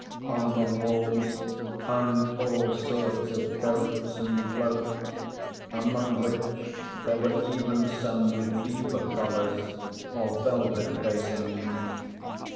On the walls hung all sorts of coats and cloaks, among which there were even some with beaver collars or velvet facings.